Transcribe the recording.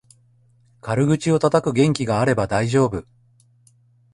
軽口をたたく元気があれば大丈夫